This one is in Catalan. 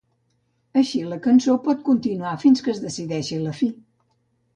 Així la cançó pot continuar fins que es decideix la fi.